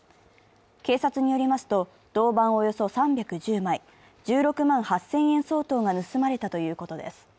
警察によりますと銅板およそ３１０枚、１６万８０００円相当が盗まれたということです。